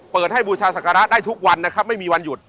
เปิดให้บูชาศักระได้ทุกวันนะครับไม่มีวันหยุด